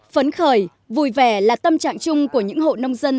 phấn khởi vui vẻ là tâm trạng chung của những hộ nông dân